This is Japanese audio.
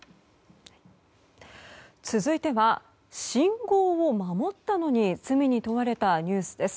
続いては信号を守ったのに罪に問われたニュースです。